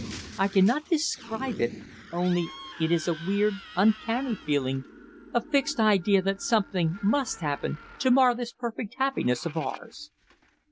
I cannot describe it only it is a weird, uncanny feeling, a fixed idea that something must happen to mar this perfect happiness of ours."